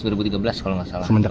sementara berapa banyak berhenti